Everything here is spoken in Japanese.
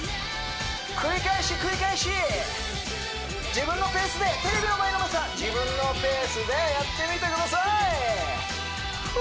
繰り返し繰り返し自分のペースでテレビの前の皆さんやってみてください！